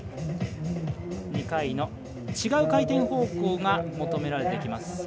２回の違う回転方向が求められてきます。